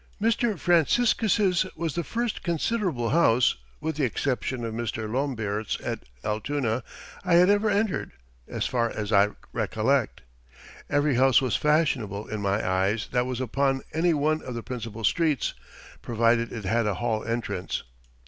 Mr. Franciscus's was the first considerable house, with the exception of Mr. Lombaert's at Altoona, I had ever entered, as far as I recollect. Every house was fashionable in my eyes that was upon any one of the principal streets, provided it had a hall entrance.